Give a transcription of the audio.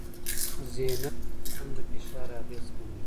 ذهنیت بدلون د فشار اغېزې کموي.